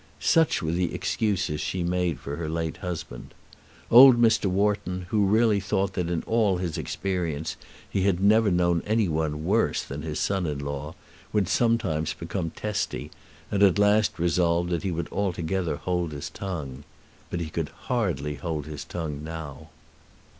Such were the excuses she made for her late husband. Old Mr. Wharton, who really thought that in all his experience he had never known any one worse than his son in law, would sometimes become testy, and at last resolved that he would altogether hold his tongue. But he could hardly hold his tongue now.